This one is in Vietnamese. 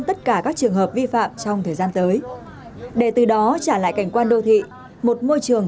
tất cả các trường hợp vi phạm trong thời gian tới để từ đó trả lại cảnh quan đô thị một môi trường